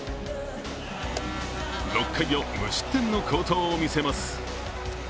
６回を無失点の好投を見せます。